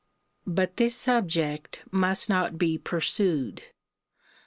] But this subject must not be pursued.